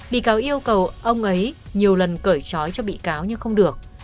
bị cáo yêu cầu ông ấy nhiều lần cởi trói cho bị cáo nhưng không được